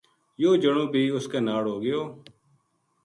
یوہ جنو بی اس کے ناڑ ہو گیو